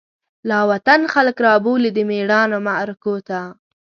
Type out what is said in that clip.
لاوطن خلک رابولی، دمیړانومعرکوته